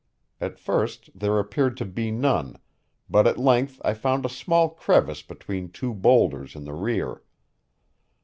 At first there appeared to be none, but at length I found a small crevice between two boulders in the rear.